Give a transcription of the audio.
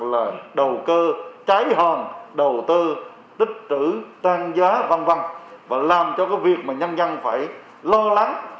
này là đầu cơ trái hòn đầu tư tích trữ tăng giá văn văn và làm cho cái việc mà nhân dân phải lo lắng